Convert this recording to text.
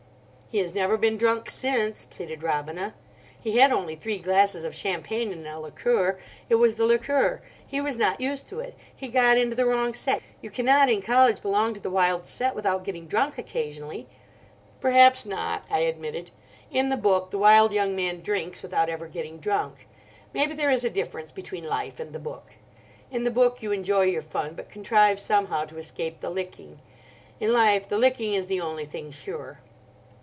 "He has never been drunk since," pleaded Robina. "He had only three glasses of champagne and a liqueur: it was the liqueur—he was not used to it. He got into the wrong set. You cannot in college belong to the wild set without getting drunk occasionally." "Perhaps not," I admitted. "In the book the wild young man drinks without ever getting drunk. Maybe there is a difference between life and the book. In the book you enjoy your fun, but contrive somehow to escape the licking: in life the licking is the only thing sure.